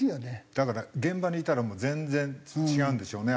だから現場にいたらもう全然違うんでしょうね。